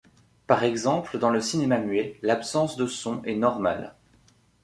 Par exemple, dans le cinéma muet, l'absence de son est normale.